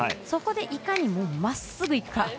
そこでいかにまっすぐいくか。